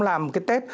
làm cái test